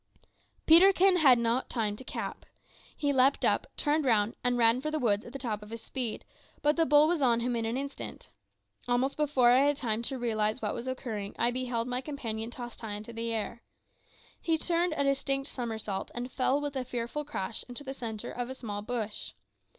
Peterkin had not time to cap. He leaped up, turned round, and ran for the woods at the top of his speed; but the bull was upon him in an instant. Almost before I had time to realise what was occurring, I beheld my companion tossed high into the air. He turned a distinct somersault, and fell with a fearful crash into the centre of a small bush.